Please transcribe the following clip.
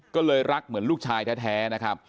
ก็เลยรักเหมือนลูกชายแท้